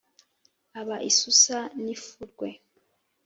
Aba isusa n'ifurwe